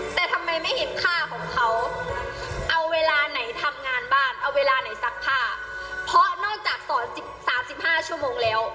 แต่ทำไมไม่เห็นค่าของเขาเอาเวลาไหนทำงานบ้านเอาเวลาไหนซักผ้าเพราะนอกจากสอน๑๓๕ชั่วโมงแล้ว